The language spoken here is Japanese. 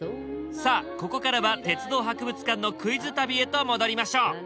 さあここからは鉄道博物館のクイズ旅へと戻りましょう。